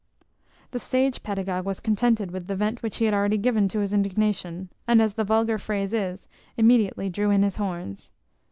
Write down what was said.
The sage pedagogue was contented with the vent which he had already given to his indignation; and, as the vulgar phrase is, immediately drew in his horns.